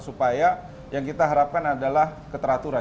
supaya yang kita harapkan adalah keteraturan